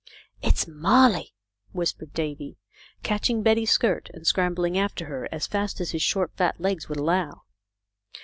" It's Molly !" whispered Davy, catching Betty's skirts, and scrambling after her as fast as his short fat legs would allow.